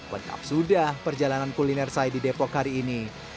lengkap sudah perjalanan kuliner saya di depok hari ini